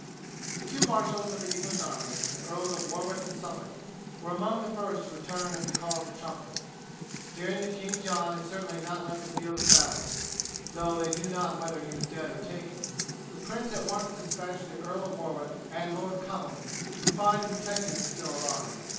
The two marshals of the English army, the Earls of Warwick and Suffolk, were among the first to return at the call of the trumpet. Hearing that King John had certainly not left the field of battle, though they knew not whether he was dead or taken, the prince at once despatched the Earl of Warwick and Lord Cobham to find and protect him if still alive.